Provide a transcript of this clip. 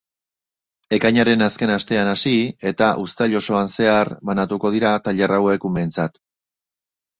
Ekainaren azken astean hasi eta uztaia osoan zehar banatuko dira tailer hauek umeentzat.